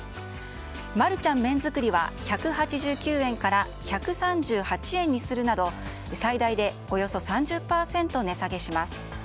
マルちゃん麺づくりは１８９円から１３８円にするなど最大でおよそ３０％値下げします。